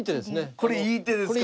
これいい手ですか。